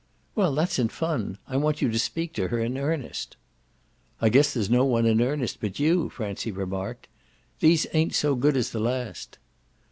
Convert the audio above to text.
"Well, that's in fun. I want you to speak to her in earnest." "I guess there's no one in earnest but you," Francie remarked. "These ain't so good as the last."